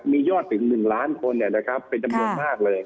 มียอดถึง๑ล้านคนเป็นจำนวนมากเลย